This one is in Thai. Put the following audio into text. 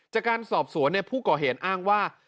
จากการสอบสวนผู้ก่อเหตุอ้างว่า